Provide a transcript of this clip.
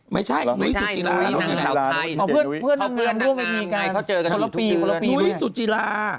ไม่ใช่นุ้ยสุจิรานุ้ยสุจิรานุ้ยสุจิรา